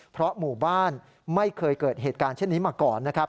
เพราะหมู่บ้านไม่เคยเกิดเหตุการณ์เช่นนี้มาก่อนนะครับ